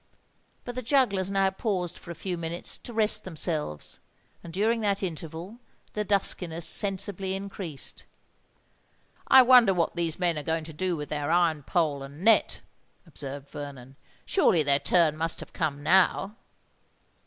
But the jugglers now paused for a few minutes to rest themselves; and during that interval the duskiness sensibly increased. "I wonder what these men are going to do with their iron pole and net," observed Vernon. "Surely their turn must have come now?"